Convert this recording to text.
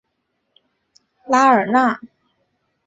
拉尔纳。